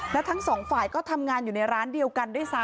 และทั้งสองฝ่ายก็ทำงานอยู่ในร้านเดียวกันด้วยซ้ำ